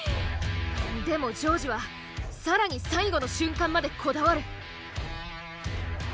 でも丈司は更に最後の瞬間までこだわる。